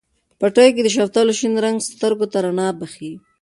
په پټیو کې د شوتلو شین رنګ سترګو ته رڼا بښي.